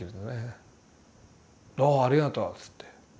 「ああありがとう」っつって。